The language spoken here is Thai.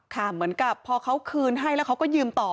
เหมือนกับพอเขาคืนให้แล้วเขาก็ยืมต่อ